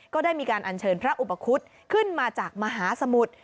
ก็ได้มีการอัญเชิญพระอุปคุฎขึ้นมาจากมหาสมุทร